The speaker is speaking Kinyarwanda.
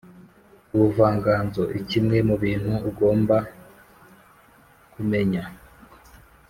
ubuvanganzo ikimwe mu bintu ugombwa kumenya